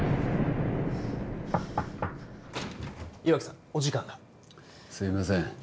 岩城さんお時間がすいません